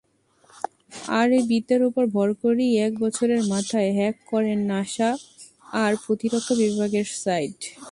আর এ বিদ্যার উপর ভর করেই এক বছরের মাথায় হ্যাক করেন নাসা আর প্রতিরক্ষা বিভাগের সাইট।